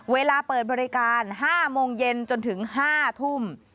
เวลาเปิดบริการ๕โมงเย็นจนถึง๕ทุ่ม